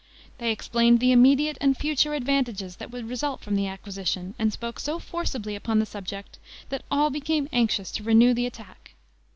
They explained the immediate and future advantages that would result from the acquisition, and spoke so forcibly upon the subject, that all became anxious to renew the attack.